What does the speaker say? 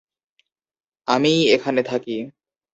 আমিই এখানে থাকি।